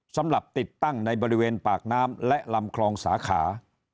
สำหรับติดตั้งในบริเวณปากน้ำและลำคลองสาขา